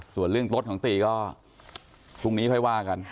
ส่วนเรื่องรถของตีก็พรุ่งนี้ค่อยว่ากัน